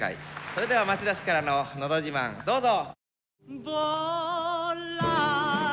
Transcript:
それでは町田市からののど自慢、どうぞ。